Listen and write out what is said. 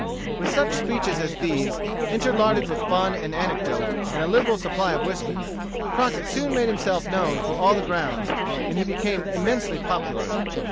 With such speeches as these, interlarded with fun and anecdote, and a liberal supply of whiskey, Crockett soon made himself known through all the grounds, and he became immensely popular.